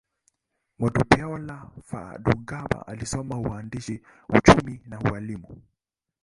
Modupeola Fadugba alisoma uhandisi, uchumi, na ualimu.